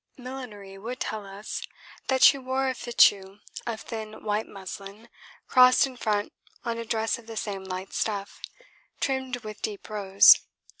Millinery would tell us that she wore a fichu of thin white muslin crossed in front on a dress of the same light stuff, trimmed with deep rose.